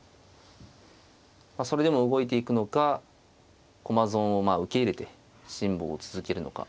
それでも動いていくのか駒損を受け入れて辛抱を続けるのか。